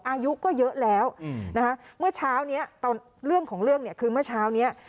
อายุก็เยอะแล้วเรื่องของเรื่องคือเมื่อเช้านี้